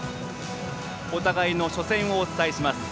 お互いの初戦をお伝えします。